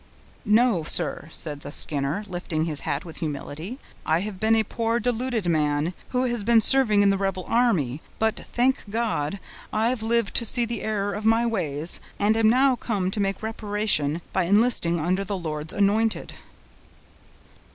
"No, sir," said the Skinner, lifting his hat with humility. "I have been a poor, deluded man, who has been serving in the rebel army; but, thank God, I've lived to see the error of my ways, and am now come to make reparation, by enlisting under the Lord's anointed."